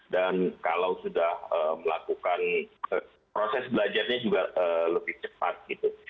dan kalau sudah melakukan proses belajarnya juga lebih cepat gitu